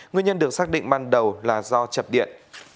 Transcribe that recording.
nguyên nhân được xác định ban đầu là do chập điện